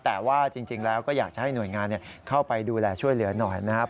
แต่ว่าจริงแล้วก็อยากจะให้หน่วยงานเข้าไปดูแลช่วยเหลือหน่อยนะครับ